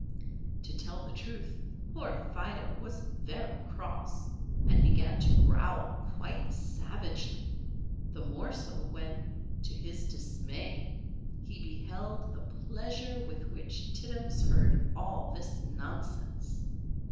To tell the truth, poor Fido was very cross, and began to growl quite savagely; the more so when, to his dismay, he beheld the pleasure with which Tittums heard all this nonsense.